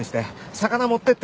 魚持っていって。